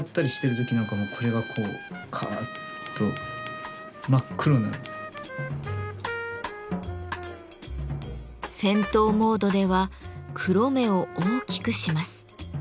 戦闘モードでは黒目を大きくします。